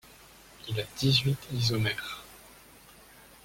Il a dix-huit isomères.